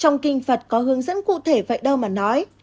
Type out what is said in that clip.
trong kinh phật có hướng dẫn cụ thể vậy đâu mà nói